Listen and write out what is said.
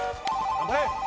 頑張れ！